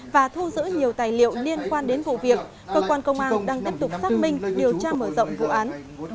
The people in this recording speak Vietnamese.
và thu giữ nhiều tài liệu liên quan đến vụ việc cơ quan công an đang tiếp tục xác minh điều tra mở rộng vụ án